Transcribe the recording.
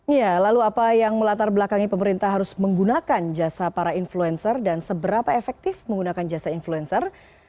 ya lalu apa yang melatar belakangi pemerintah harus menggunakan jasa para influencer dan seberapa efektif menggunakan jasa influencer